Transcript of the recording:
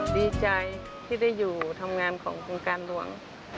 ดีใจที่ได้อยู่ทำงานของโครงการหลวง